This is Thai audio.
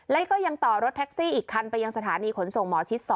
และก็ยังต่อรถแท็กซี่อีกคันไปยังสถานีขนส่งหมอชิด๒